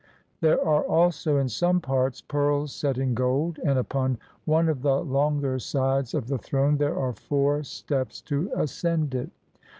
There are also in some parts pearls set in gold, and upon one of the longer sides of the throne there are four steps to ascend it.